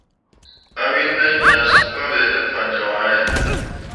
Mawin mai ʼnyah suu pabe ne fan joŋ ahe.